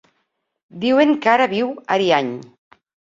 Diuen que ara viu a Ariany.